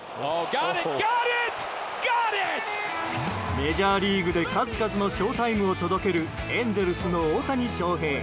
メジャーリーグで数々のショウタイムを届けるエンゼルスの大谷翔平。